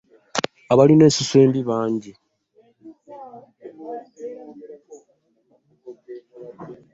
Abalina ensusu embi bangi.